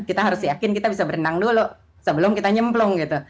kita harus yakin kita bisa berenang dulu sebelum kita nyemplung gitu